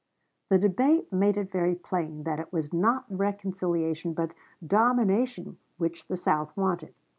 The debate made it very plain that it was not reconciliation but domination which the South wanted.